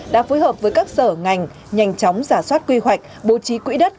đã phối hợp với các sở ngành nhanh chóng giả soát quy hoạch bố trí quỹ đất